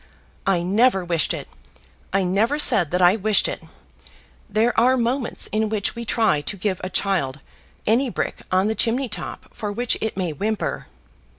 "I never wished it. I never said that I wished it. There are moments in which we try to give a child any brick on the chimney top for which it may whimper."